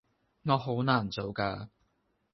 我好難做㗎